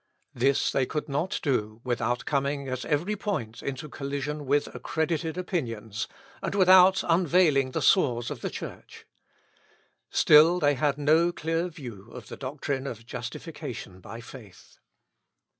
This they could not do without coming at every point into collision with accredited opinions, and without unveiling the sores of the Church. Still they had no clear view of the doctrine of justification by faith.